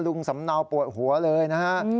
ลุงสำเนาปวดหัวเลยนะครับ